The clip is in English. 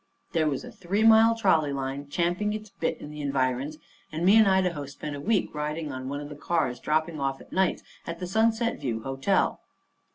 There was a three mile trolley line champing its bit in the environs; and me and Idaho spent a week riding on one of the cars, dropping off at nights at the Sunset View Hotel.